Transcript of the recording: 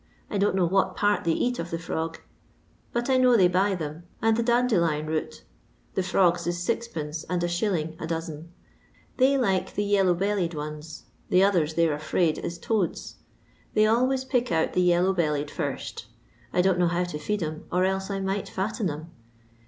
I don't know what part they eat of the frog, but I know they buy them, and the dandelion root. The frvgs is 6c2. and 1#. a dozen. They like the yellow bellied ones, the others they 're afraid is toads. They always pick out the yellow bellied first; I don't know how to feed 'em, or else I might fatten them.